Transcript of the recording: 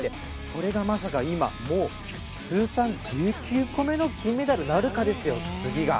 それがまさか今、もう通算１９個目の金メダルなるかですよ、次が。